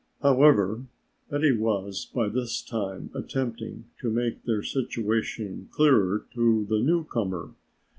However, Betty was by this time attempting to make their situation clearer to the newcomer.